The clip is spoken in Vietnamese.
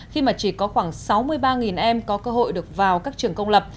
khi mà chỉ có khoảng sáu mươi ba em có cơ hội được vào các trường công lập